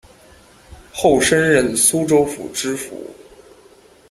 后升任苏州府知府